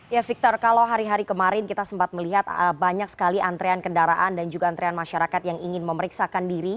ya victor kalau hari hari kemarin kita sempat melihat banyak sekali antrean kendaraan dan juga antrean masyarakat yang ingin memeriksakan diri